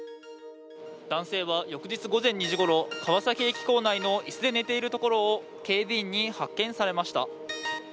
男性は翌日午前２時ごろ川崎駅構内の椅子で寝ているところを警備員に発見されました。